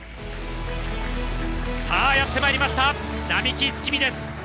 やってまいりました、並木月海です。